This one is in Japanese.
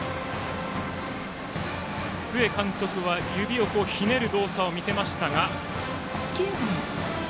須江監督は指をひねる動作を見せましたが。